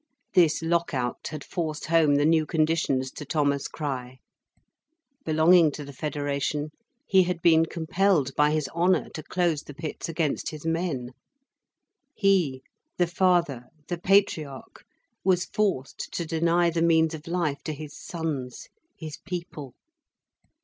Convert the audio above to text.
This lock out had forced home the new conditions to Thomas Crich. Belonging to the Federation, he had been compelled by his honour to close the pits against his men. He, the father, the Patriarch, was forced to deny the means of life to his sons, his people.